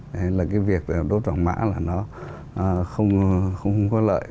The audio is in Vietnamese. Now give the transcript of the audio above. đấy là cái việc đốt vàng mã là nó không có lợi